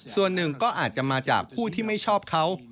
ส่วนหนึ่งก็อาจจะมาจากผู้ที่ไม่ชอบเขา